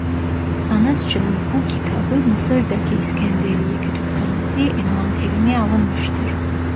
Sanatçının bu kitabı Mısır'daki İskenderiye kütüphanesi envanterine alınmıştır.